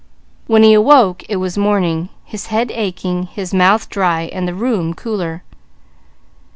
When he awoke it was morning, his head aching, his mouth dry, and the room cooler.